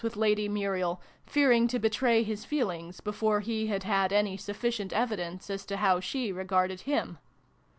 with Lady Muriel, fearing to betray his feelings before he had had any sufficient evidence as to how she regarded him.